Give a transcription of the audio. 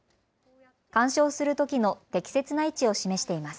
鑑賞するときの適切な位置を示しています。